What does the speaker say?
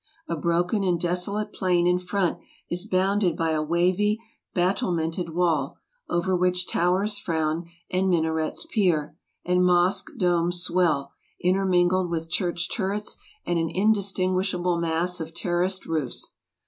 A broken and desolate plain in front is bounded by a wavy, battlemented wall, over which towers frown, and minarets peer, and mosque domes swell, intermingled with church turrets and an indistinguishable mass of terraced roofs.